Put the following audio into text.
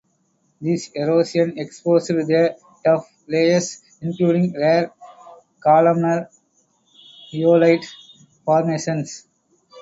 This erosion exposed the tuff layers, including rare columnar rhyolite formations.